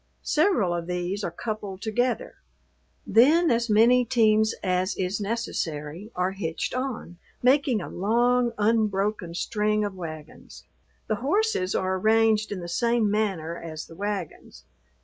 Several of these are coupled together; then as many teams as is necessary are hitched on making a long, unbroken string of wagons. The horses are arranged in the same manner as the wagons.